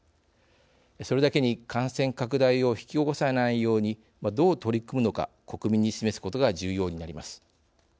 それだけに感染拡大を引き起こさないようにどう取り組むのか国民に示すことが重要になります。